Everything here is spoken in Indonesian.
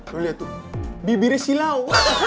lo lihat tuh bibirnya silau